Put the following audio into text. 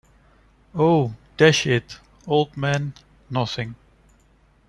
Oh, dash it, old man, nothing?